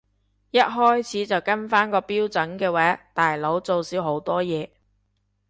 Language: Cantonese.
一開始就跟返個標準嘅話大佬做少好多嘢